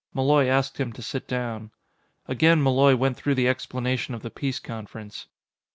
Malloy asked him to sit down. Again Malloy went through the explanation of the peace conference.